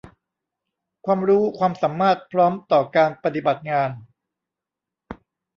ความรู้ความสามารถพร้อมต่อการปฏิบัติงาน